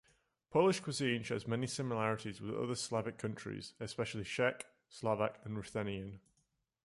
Polish cuisine shares many similarities with other Slavic countries, especially Czech, Slovak and Ruthenian.